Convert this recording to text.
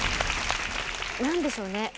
なんでしょうね。